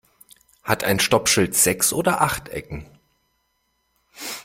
Hat ein Stoppschild sechs oder acht Ecken?